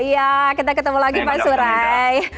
iya kita ketemu lagi pak surai